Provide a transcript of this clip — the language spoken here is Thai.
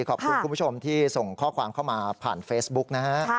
ขอบคุณคุณผู้ชมที่ส่งข้อความเข้ามาผ่านเฟซบุ๊กนะฮะ